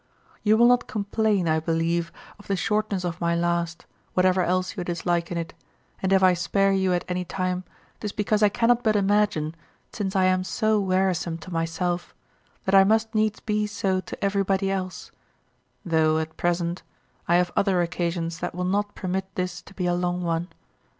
You will not complain, I believe, of the shortness of my last, whatever else you dislike in it, and if I spare you at any time 'tis because I cannot but imagine, since I am so wearisome to myself, that I must needs be so to everybody else, though, at present, I have other occasions that will not permit this to be a long one.